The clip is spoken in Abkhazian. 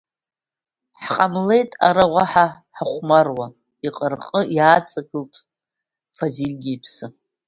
Ҳҟамлеит ара уаҳа ҳахәмаруа, иҟырҟы иааҵагылт Фазильгьы иԥсы.